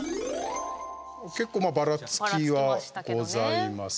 結構ばらつきはございます。